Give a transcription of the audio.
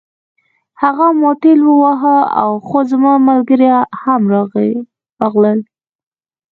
هغه ما ټېل واهه خو زما ملګري هم راغلل